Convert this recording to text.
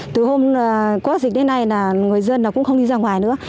từ hôm có dịch đến nay là người dân cũng không đi ra ngoài nữa